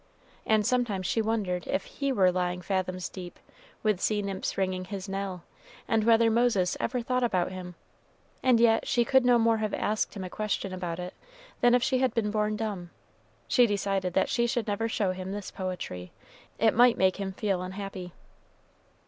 And sometimes she wondered if he were lying fathoms deep with sea nymphs ringing his knell, and whether Moses ever thought about him; and yet she could no more have asked him a question about it than if she had been born dumb. She decided that she should never show him this poetry it might make him feel unhappy.